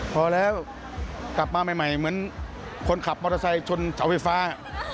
พอแล้วกลับมาใหม่เหมือนคนขับมอเตอร์ไซค์ชนเสาไฟฟ้า